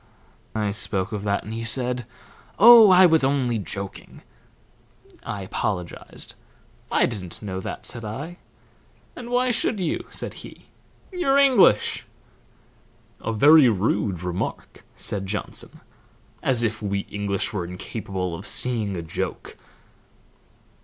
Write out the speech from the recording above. I spoke of that, and he said, 'Oh, I was only joking.' I apologized. 'I didn't know that,' said I. 'And why should you?' said he. 'You're English.'" "A very rude remark," said Johnson. "As if we English were incapable of seeing a joke!"